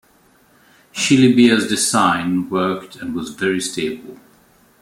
Shillibeer's design worked, and was very stable.